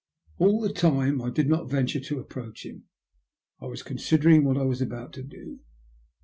All the time I did not venture to approach him. I was considering what I was about to do.